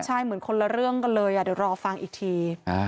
ใช่เหมือนคนละเรื่องกันเลยเดี๋ยวรอฟังอีกที